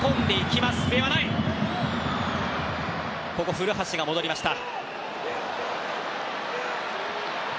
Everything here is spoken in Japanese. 古橋が戻りました。